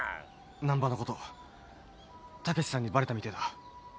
難破のこと猛さんにバレたみてえだ。